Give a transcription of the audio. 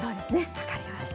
分かりました。